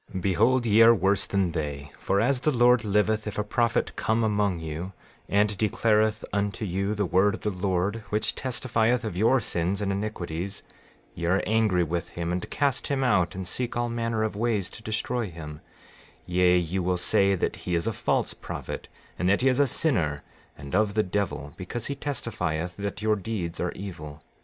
13:26 Behold ye are worse than they; for as the Lord liveth, if a prophet come among you and declareth unto you the word of the Lord, which testifieth of your sins and iniquities, ye are angry with him, and cast him out and seek all manner of ways to destroy him; yea, you will say that he is a false prophet, and that he is a sinner, and of the devil, because he testifieth that your deeds are evil.